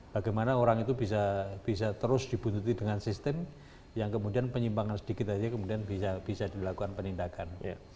bagaimana orang itu bisa terus dibuntuti dengan sistem yang kemudian penyimpangan sedikit saja kemudian bisa dilakukan penindakan